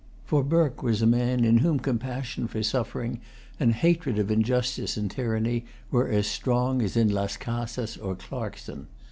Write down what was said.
For Burke was a man in whom compassion for suffering and hatred of injustice and tyranny were as strong as in Las Casas or Clarkson.